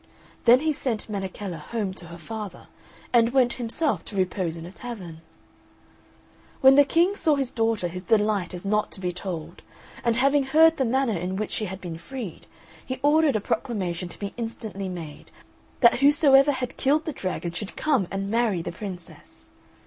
Then he sent Menechella home to her father, and went himself to repose in a tavern. When the King saw his daughter his delight is not to be told; and having heard the manner in which she had been freed, he ordered a proclamation to be instantly made, that whosoever had killed the dragon should come and marry the Princess.